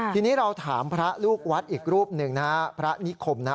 ทีนี้เราถามพระลูกวัดอีกรูปหนึ่งนะฮะพระนิคมนะฮะ